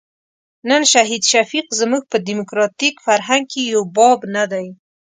نن شهید شفیق زموږ په ډیموکراتیک فرهنګ کې یو باب نه دی.